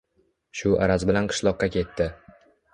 Shu araz bilan qishloqqa ketdi